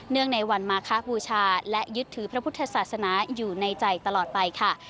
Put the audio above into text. ในวันมาคบูชาและยึดถือพระพุทธศาสนาอยู่ในใจตลอดไปค่ะ